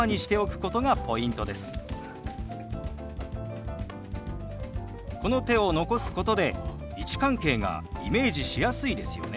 この手を残すことで位置関係がイメージしやすいですよね。